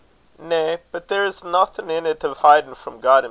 "Na; but there is a notion in't o' hidin' frae God himsel'.